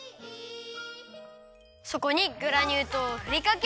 そこにグラニュー糖をふりかける！